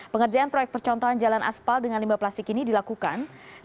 pengerjaan proyek percontohan jalan aspal dengan limbah plastik ini dilakukan